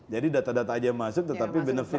jadi data data aja yang masuk tetapi benefit